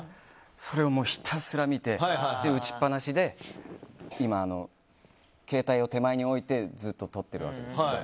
それをひたすら見て打ちっぱなしで今、携帯を手前に置いてずっと撮ってるわけですけど。